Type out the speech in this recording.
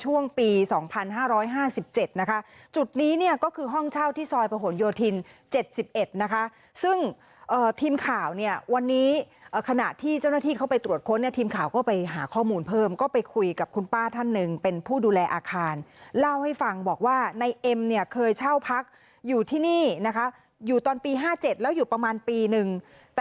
ช่วงปี๒๕๕๗นะคะจุดนี้เนี่ยก็คือห้องเช่าที่ซอยประหลโยธิน๗๑นะคะซึ่งทีมข่าวเนี่ยวันนี้ขณะที่เจ้าหน้าที่เข้าไปตรวจค้นเนี่ยทีมข่าวก็ไปหาข้อมูลเพิ่มก็ไปคุยกับคุณป้าท่านหนึ่งเป็นผู้ดูแลอาคารเล่าให้ฟังบอกว่าในเอ็มเนี่ยเคยเช่าพักอยู่ที่นี่นะคะอยู่ตอนปี๕๗แล้วอยู่ประมาณปีนึงแต่